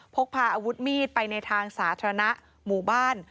พกพาอาวุธมีดไปในทางสาธารณะหมู่บ้าน